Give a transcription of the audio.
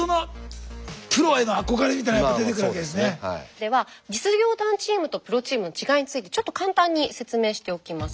では実業団チームとプロチームの違いについてちょっと簡単に説明しておきます。